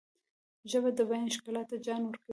ژبه د بیان ښکلا ته جان ورکوي